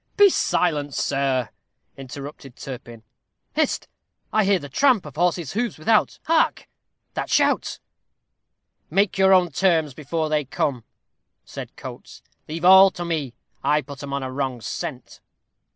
"Be silent, sir," interrupted Turpin. "Hist! I hear the tramp of horses' hoofs without. Hark! that shout." "Make your own terms before they come," said Coates. "Leave all to me. I'll put 'em on a wrong scent."